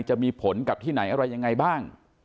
จะมีผลกับที่ไหนอะไรยังไงบ้าง